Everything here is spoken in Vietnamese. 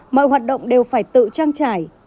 mọi hoạt động đều phải tự trang trải